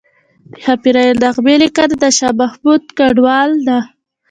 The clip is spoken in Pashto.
د ښاپیرۍ نغمې لیکنه د شاه محمود کډوال ده